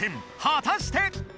はたして！